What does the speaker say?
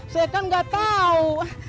saya kan nggak tau